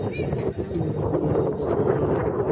কাল ইঁদুরদের কাজ করতে হবে।